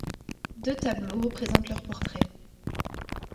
Deux tableaux représentent leur portrait.